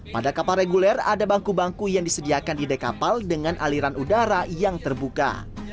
pada kapal reguler ada bangku bangku yang disediakan di dek kapal dengan aliran udara yang terbuka